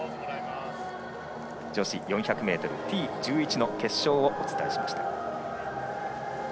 女子４００ｍＴ１１の決勝をお伝えしました。